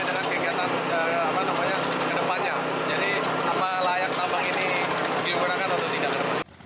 jangan kegiatan ke depannya jadi apa layak tambang ini digunakan untuk tingkat ke depan